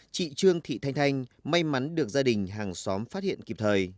chị trương thị thanh thanh may mắn được gia đình hàng xóm phát hiện kịp thời